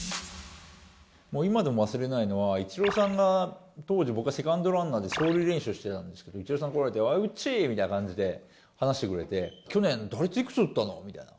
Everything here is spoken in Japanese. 今でも忘れないのは、イチローさんが当時、僕はセカンドランナーで走塁練習をしてたんですけど、イチローさん来られて、おう、うっちーみたいな感じで、話してくれて、去年打率いくつだったの？みたいな。